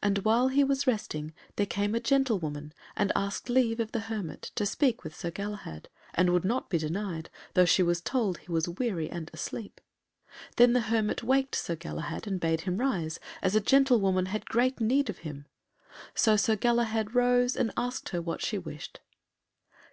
And while he was resting, there came a gentlewoman and asked leave of the hermit to speak with Sir Galahad, and would not be denied, though she was told he was weary and asleep. Then the hermit waked Sir Galahad and bade him rise, as a gentlewoman had great need of him, so Sir Galahad rose and asked her what she wished.